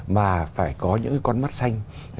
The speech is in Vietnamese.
mà phải có những con mắt xanh